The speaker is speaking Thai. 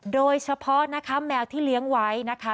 โดยเฉพาะนะคะแมวที่เลี้ยงไว้นะคะ